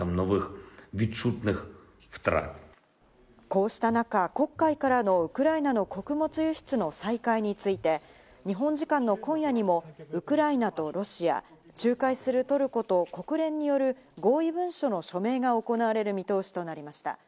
こうした中、黒海からのウクライナの穀物輸出の再開について、日本時間の今夜にもウクライナとロシア、仲介するトルコと国連による合意文書の署名が行われる見通しとなりました。